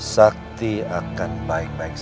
sakti akan baik baik saja